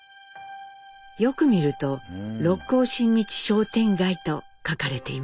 よく見ると六甲新道商店街と書かれています。